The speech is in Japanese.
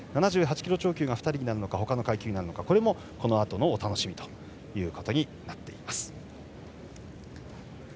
７８キロ超級が２人になるのかほかの階級になるのかこれもこのあとのお楽しみとなっています。